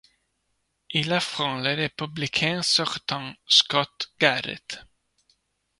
Il affronte le républicain sortant Scott Garrett.